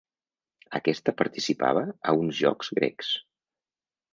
Aquesta participava a uns jocs grecs.